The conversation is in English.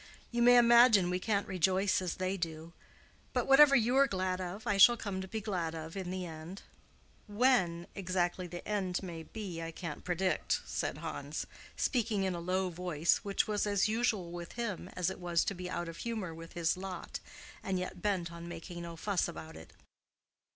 You may imagine we can't rejoice as they do. But whatever you are glad of, I shall come to be glad of in the end—when exactly the end may be I can't predict," said Hans, speaking in a low tone, which was as usual with him as it was to be out of humor with his lot, and yet bent on making no fuss about it.